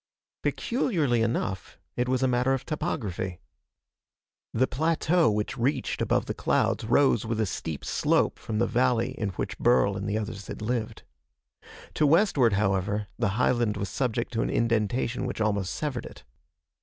Peculiarly enough, it was a matter of topography. The plateau which reached above the clouds rose with a steep slope from the valley in which Burl and the others had lived. To westward, however, the highland was subject to an indentation which almost severed it.